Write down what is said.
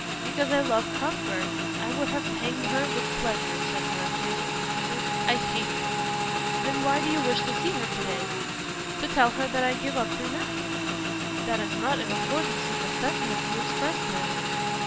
"Because I loved Cuthbert. I would have hanged her with pleasure," said Maraquito vindictively. "I hate her!" "Then why do you wish to see her to day?" "To tell her that I give up your nephew." "That is not in accordance with the sentiments you expressed now."